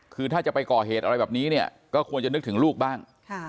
คือถ้าจะไปก่อเหตุอะไรแบบนี้เนี่ยก็ควรจะนึกถึงลูกบ้าง